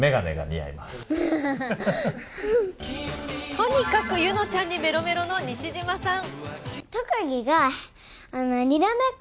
とにかく柚乃ちゃんにメロメロの西島さん。